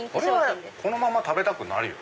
これはこのまま食べたくなるよ。